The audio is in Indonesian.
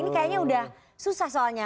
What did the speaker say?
ini kayaknya udah susah soalnya